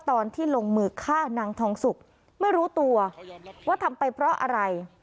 ตอนที่ลงมือฆ่านางทองสุกไม่รู้ตัวว่าทำไปเพราะอะไร